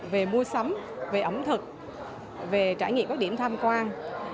về mua sắm về ẩm thực về trải nghiệm các điểm tham quan